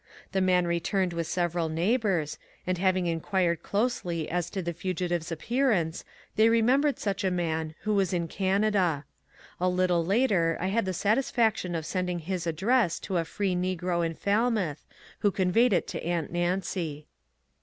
The man returned with several neighbours, and having inquired closely as to the fugi tive's appearance, they remembered such a man, who was in Canada. A little later I had the satisfaction of sending his address to a free negro in Falmouth, who conveyed it to aunt Nancy.